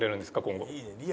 今後。